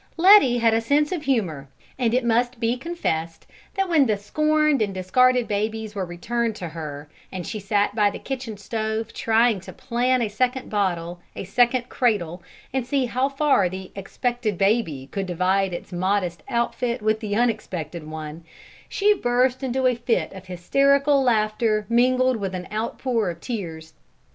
Letty had a sense of humor, and it must be confessed that when the scorned and discarded babies were returned to her, and she sat by the kitchen stove trying to plan a second bottle, a second cradle, and see how far the expected baby could divide its modest outfit with the unexpected one, she burst into a fit of hysterical laughter mingled with an outpour of tears.